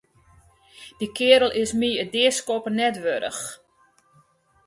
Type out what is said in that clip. Dy keardel is my it deaskoppen net wurdich.